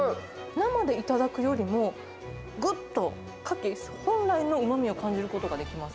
生で頂くよりも、ぐっとカキ本来のうまみを感じることができます。